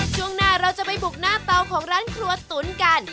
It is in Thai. ช่วงหน้าเราจะไปบุกหน้าเตาของร้านครัวตุ๋นกัน